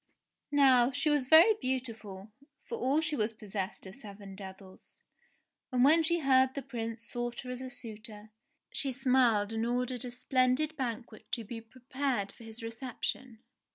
Now she was very beautiful, for all she was possessed of seven devils, and when she heard the Prince sought her as a suitor, she smiled and ordered a splendid banquet to be prepared for his reception.